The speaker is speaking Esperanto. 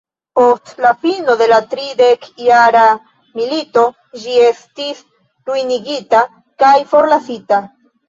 Post fino de la tridekjara milito ĝi estis ruinigita kaj forlasita.